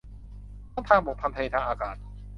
ทั้งทางบก ทางทะเล ทางอากาศ